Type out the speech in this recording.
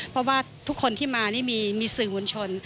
เพราะว่าทุกคนที่มานี่มีสื่อมวลชน